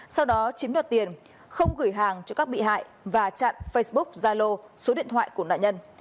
sau đó chiếm đoạt tiền không gửi hàng cho các bị hại và chặn facebook zalo số điện thoại của nạn nhân